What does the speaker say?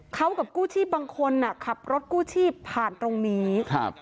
เขากับกู้ชีพบางคนอ่ะขับรถกู้ชีพผ่านตรงนี้ครับ